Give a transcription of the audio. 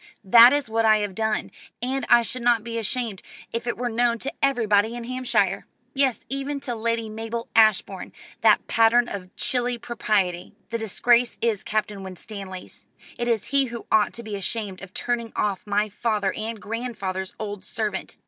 That is what I have done, and I should not be ashamed if it were known to everybody in Hampshire. Yes, even to Lady Mabel Ashbourne, that pattern of chilly propriety. The disgrace is Captain Winstanley's. It is he who ought to be ashamed of turning off my father and grandfather's old servant.